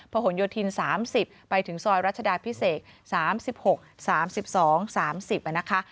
หนโยธิน๓๐ไปถึงซอยรัชดาพิเศษ๓๖๓๒๓๐นะคะ